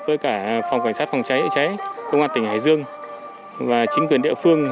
với cả phòng cảnh sát phòng cháy cháy công an tỉnh hải dương và chính quyền địa phương